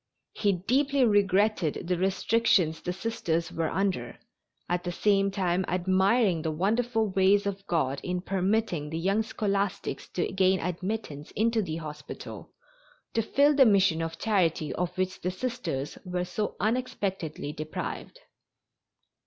He deeply regretted the restrictions the Sisters were under, at the same time admiring the wonderful ways of God in permitting the young scholastics to gain admittance into the hospital, to fill the mission of charity of which the Sisters were so unexpectedly deprived.